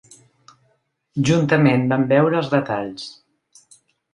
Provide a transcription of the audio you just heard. Juntament van veure els detalls.